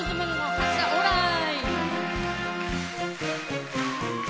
発車オーライ。